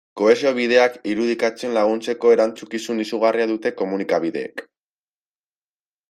Kohesio bideak irudikatzen laguntzeko erantzukizun izugarria dute komunikabideek.